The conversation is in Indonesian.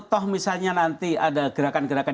toh misalnya nanti ada gerakan gerakan